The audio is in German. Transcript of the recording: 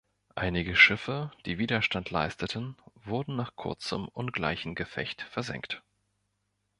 Einige Schiffe, die Widerstand leisteten, wurden nach kurzem ungleichen Gefecht versenkt.